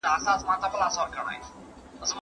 کمپيوټر کانټراسټ بدلوي.